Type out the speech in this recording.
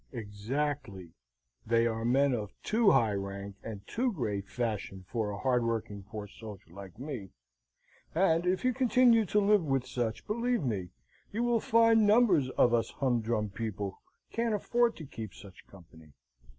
"Exactly, they are men of too high rank and too great fashion for a hard working poor soldier like me; and if you continue to live with such, believe me, you will find numbers of us humdrum people can't afford to keep such company.